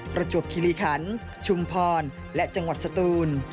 ประจวบคิริขันชุมพรและจังหวัดสตูน